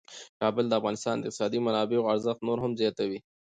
کابل د افغانستان د اقتصادي منابعو ارزښت نور هم زیاتوي.